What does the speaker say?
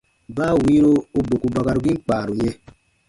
Baa wiiro u boku bakarugiin kpaaru yɛ̃.